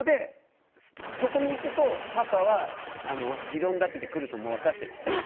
そこに行くとパパは理論立ててくると分かっている。